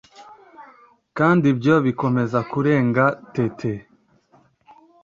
kandi ibyo bikomeza kurenga tete